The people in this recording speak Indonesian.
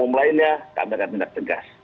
hubung lainnya kami akan mendakjengkas